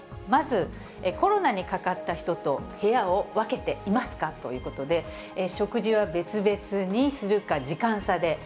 まず、コロナにかかった人と部屋を分けていますか？ということで、食事は別々にするか、時間差で。